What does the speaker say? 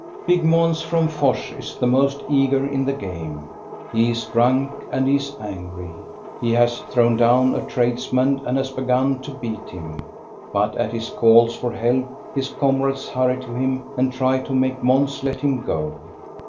Big Mons from Fors is the most eager in the game. He is drunk, and he is angry ; he has thrown down a tradesman and has begun to beat him, but at his calls for help his comrades hurry to him and try to make Mons let him go.